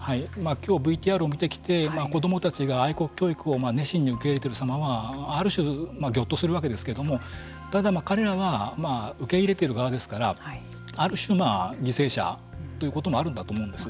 今日ＶＴＲを見てきて子どもたちが愛国教育を熱心に受け入れているさまはある種ぎょっとするわけですけれどもただ彼らは受け入れている側ですからある種犠牲者ということもあるんだと思うんです。